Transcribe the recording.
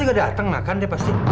entar dia gak dateng lah kan dia pasti